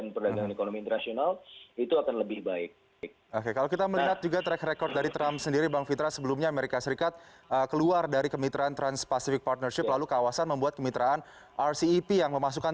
pertanyaan dari pertanyaan pertanyaan